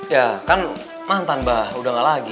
ya kan mantan bah udah gak lagi